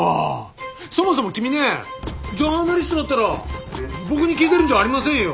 そもそも君ねジャーナリストだったら僕に聞いてるんじゃありませんよ。